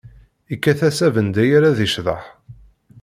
Ikkat-as abendayer ad icḍeḥ.